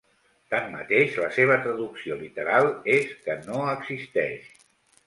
Tanmateix, la seva traducció literal és Que no existeix.